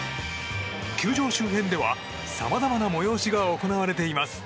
球場周辺では、さまざまな催しが行われています。